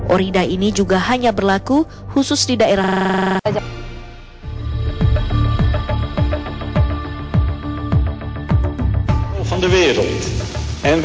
orida ini juga hanya berlaku khusus di daerah raja